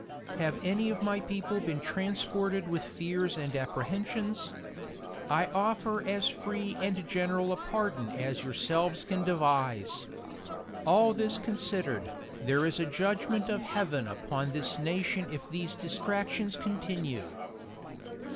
"Have any of my people been transported with fears and apprehensions? I offer as free and general a pardon as yourselves can devise. All this considered, there is a judgment of Heaven upon this nation if these distractions continue.